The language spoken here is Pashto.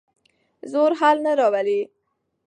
زور حل نه راولي.